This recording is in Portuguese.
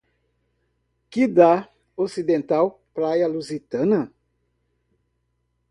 Que da ocidental praia Lusitana